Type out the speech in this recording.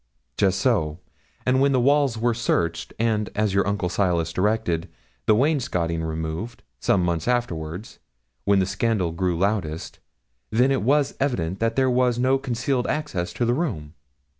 'Just so; and when the walls were searched, and, as your uncle Silas directed, the wainscoting removed, some months afterwards, when the scandal grew loudest, then it was evident that there was no concealed access to the room.'